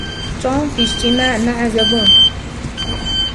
توم في اجتماع مع زبون.